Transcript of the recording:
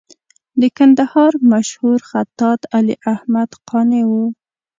د کندهار مشهور خطاط علي احمد قانع و.